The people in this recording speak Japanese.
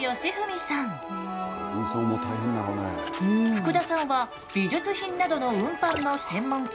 福田さんは美術品などの運搬の専門家。